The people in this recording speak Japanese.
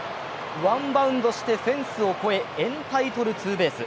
ワンバウンドしてフェンスを越えエンタイトルツーベース。